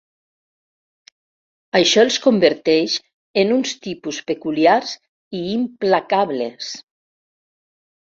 Això els converteix en uns tipus peculiars i implacables.